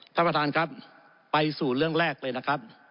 ท่านประธานครับไปสู่เรื่องแรกเลยนะครับ